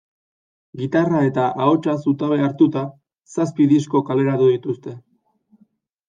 Gitarra eta ahotsa zutabe hartuta, zazpi disko kaleratu dituzte.